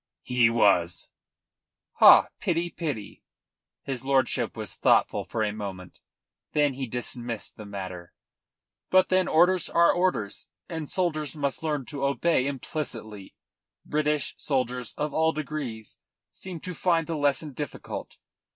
"He was." "Ha! Pity! Pity!" His lordship was thoughtful for a moment. Then he dismissed the matter. "But then orders are orders, and soldiers must learn to obey implicitly. British soldiers of all degrees seem to find the lesson difficult.